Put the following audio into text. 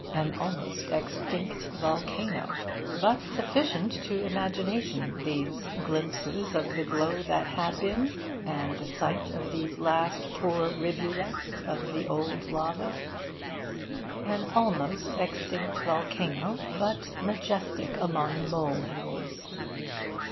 An almost extinct volcano! But sufficient to imagination these glimpses of the glow that had been, and the sight of these last poor rivulets of the old lava. An almost extinct volcano, but majestic among mole hills!